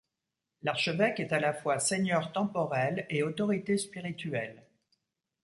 L'archevêque est à la fois seigneur temporel et autorité spirituelle.